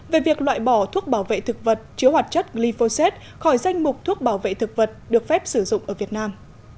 về việc loại bỏ thuốc bảo vệ thực vật chứa hoạt chất glyphosate khỏi danh mục thuốc bảo vệ thực vật được phép sử dụng ở việt nam